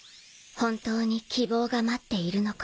本当に希望が待っているのか